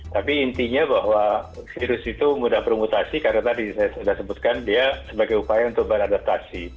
tapi intinya bahwa virus itu mudah bermutasi karena tadi saya sudah sebutkan dia sebagai upaya untuk beradaptasi